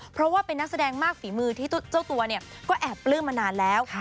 เพราะว่าเป็นนักแสดงมากฝีมือที่เจ้าตัวเนี่ยก็แอบปลื้มมานานแล้ว